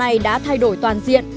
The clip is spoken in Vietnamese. ngày đã thay đổi toàn diện